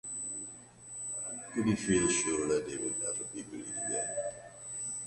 Could he feel sure that they would ever be green again?